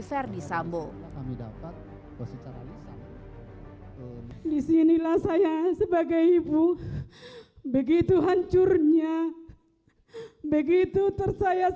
ferdi sambo kami dapat posisi disinilah saya sebagai ibu begitu hancurnya begitu tersayang